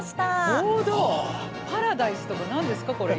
「パラダイス」とか何ですかこれ。